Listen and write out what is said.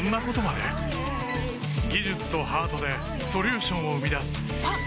技術とハートでソリューションを生み出すあっ！